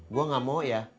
gue gak mau ya